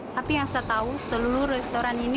tapi yang saya tahu seluruh restoran ini